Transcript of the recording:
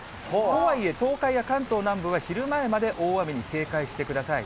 とはいえ、東海や関東南部は昼前まで大雨に警戒してください。